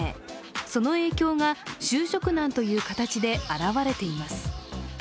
その影響が就職難という形で表れています。